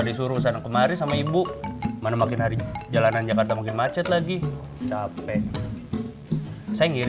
disuruh sana kemari sama ibu mana makin hari jalanan jakarta makin macet lagi capek saya ngirim